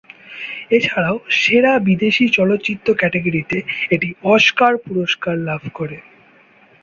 এছাড়াও সেরা বিদেশি চলচ্চিত্র ক্যাটাগরিতে এটি অস্কার পুরস্কার লাভ করে।